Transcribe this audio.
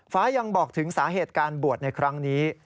ยังบอกถึงสาเหตุการบวชในครั้งนี้